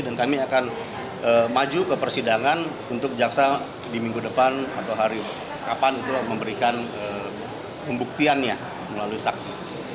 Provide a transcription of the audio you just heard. dan kami akan maju ke persidangan untuk jaksa di minggu depan atau hari kapan untuk memberikan pembuktiannya melalui saksi